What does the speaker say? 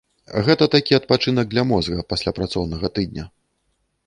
Гэта такі адпачынак для мозга пасля працоўнага тыдня.